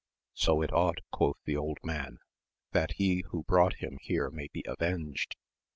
So it ought, quoth the old man, that he who brought him here may be avenged.